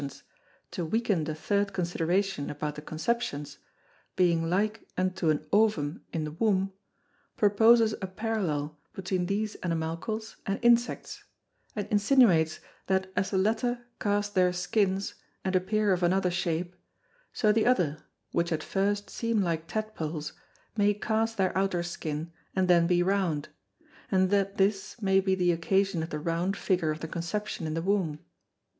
_ to weaken the third Consideration about the Conceptions, being like unto an Ovum in the Womb, proposes a Parallel between these Animalcles and Insects; and insinuates, that as the latter cast their Skins, and appear of another Shape, so the other which at first seem like Tadpoles, may cast their outer Skin, and then be round; and that this may be the occasion of the round Figure of the Conception in the Womb.